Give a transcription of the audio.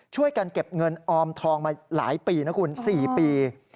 ช่วยกันเก็บเงินออมทองมาหลายปีนะคุณ๔ปี